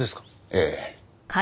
ええ。